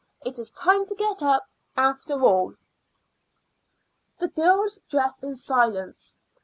It is time to get up, after all." The girls dressed in silence.